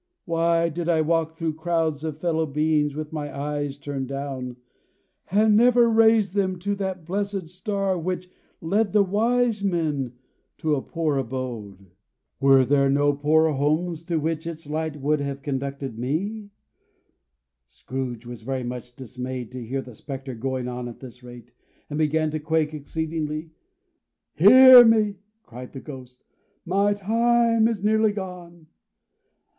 Why did I walk through crowds of fellow beings with my eyes turned down, and never raise them to that blessed Star which led the Wise Men to a poor abode? Were there no poor homes to which its light would have conducted me?" Scrooge was very much dismayed to hear the Spectre going on at this rate, and began to quake exceedingly. "Hear me!" cried the Ghost. "My time is nearly gone."